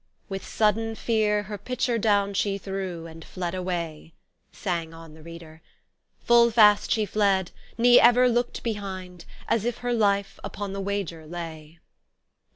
" With sudden feare her pitcher downe she threw, And fled away," Bang on the reader. THE STORY OF AVIS. 13 "Full fast she fled, ne ever lookt behynd, As if her life upon the wager lay."